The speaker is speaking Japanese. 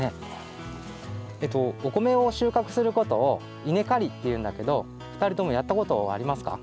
お米をしゅうかくすることをいねかりっていうんだけどふたりともやったことありますか？